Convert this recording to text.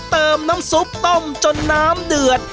เติมน้ำซุปต้มจนน้ำเดือด